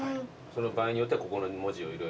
場合によってここの文字を色々。